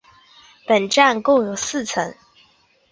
本站共有四层。